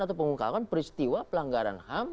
atau pengungkapan peristiwa pelanggaran ham